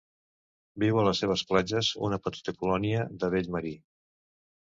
Viu a les seves platges una petita colònia de Vell marí.